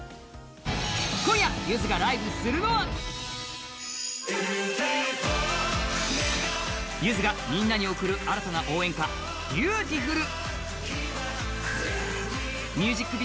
今夜、ゆずがライブするのはゆずがみんなに贈る新たな応援歌「ビューティフル」。